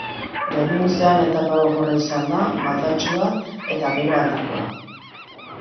Gainontzean, etapa gogorra izan da, maldatsua eta bero handikoa.